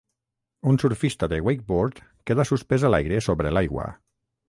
Un surfista de wakeboard queda suspès a l'aire sobre l'aigua.